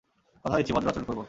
কথা দিচ্ছি, ভদ্র আচরণ করব!